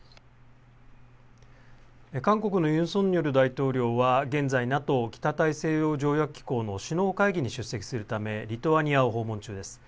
韓国のユン・ソンニョル大統領は現在、ＮＡＴＯ・北大西洋条約機構の首脳会議に出席するためリトアニアを訪問中です。